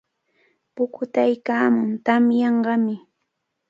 Pukutaykaamun, tamyanqami.